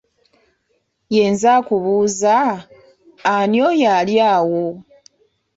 Ye nze akubuuza, ani oyo ali awo?